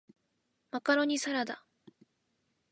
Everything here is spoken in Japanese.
マカロニサラダ